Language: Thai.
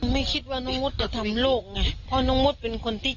ไม่คิดว่าน้องมดจะทำลูกไงเพราะน้องมดเป็นคนที่